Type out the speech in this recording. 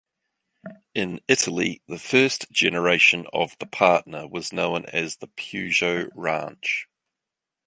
In Italy, the first generation of the Partner was known as the Peugeot Ranch.